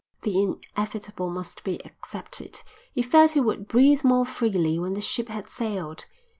The inevitable must be accepted. He felt he would breathe more freely when the ship had sailed.